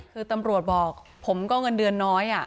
คือตำรวจบอกผมก็เงินเดือนน้อย